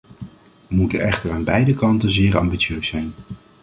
We moeten echter aan beide kanten zeer ambitieus zijn.